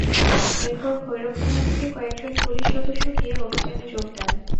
এরপর ভৈরব থানা থেকে কয়েকজন পুলিশ সদস্য গিয়ে অভিযানে যোগ দেন।